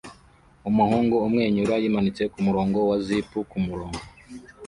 Umuhungu umwenyura yimanitse kumurongo wa zip kumurongo